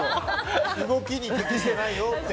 動きに適してないよと。